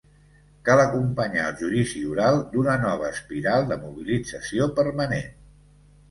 Cal acompanyar el judici oral d’una nova espiral de mobilització permanent.